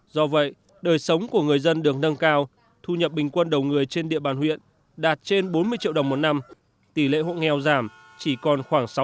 do vậy đời sống của người dân được nâng cao thu nhập bình quân đầu người trên địa bàn huyện đạt trên bốn mươi triệu đồng một năm tỷ lệ hộ nghèo giảm chỉ còn khoảng sáu mươi